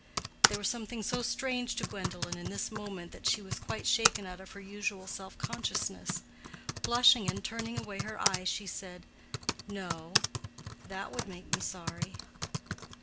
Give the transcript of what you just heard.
There was something so strange to Gwendolen in this moment that she was quite shaken out of her usual self consciousness. Blushing and turning away her eyes, she said, "No, that would make me sorry."